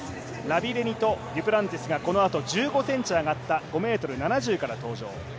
ラビレニとデュプランティスがこのあと１５ｃｍ上がった５ｍ７０から登場。